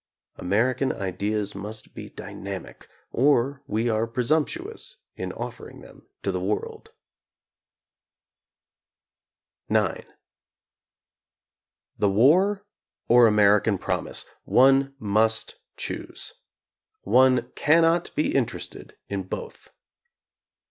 American ideas must be dynamic or we are presumptuous in offering them to the world. IX The war — or American promise: one must choose. One cannot be interested in both.